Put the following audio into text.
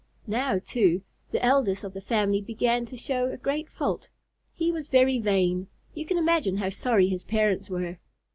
Now, too, the eldest of the family began to show a great fault. He was very vain. You can imagine how sorry his parents were.